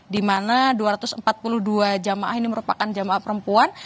di mana dua ratus empat puluh dua jamaah ini merupakan jamaah perempuan